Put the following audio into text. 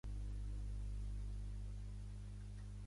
Molt poques vegades va ser navarrès.